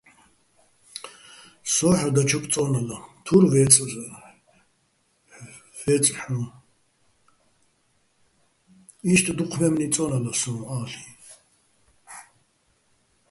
სო́ჼ ჰ̦ო დაჩოკ წო́ნალა, თურ ვე́წეჰ̦ო̆, იშტ დუჴ მე́მნი წო́ნალა სო́ნ-ა́ლ'იჼ.